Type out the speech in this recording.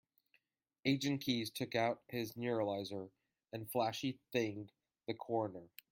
Agent Keys took out his neuralizer and flashy-thinged the coroner.